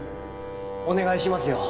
お願いしますよ。